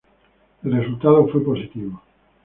El resultado fue positivo.